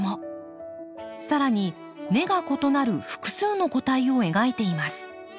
さらに根が異なる複数の個体を描いています。